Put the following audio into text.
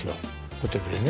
ホテルでね。